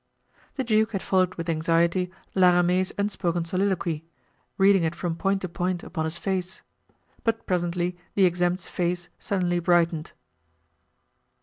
The duke had followed with anxiety La Ramee's unspoken soliloquy, reading it from point to point upon his face. But presently the exempt's face suddenly brightened.